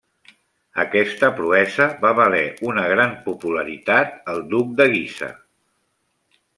Aquesta proesa va valer una gran popularitat al duc de Guisa.